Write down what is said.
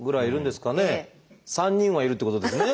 ３人はいるっていうことですね。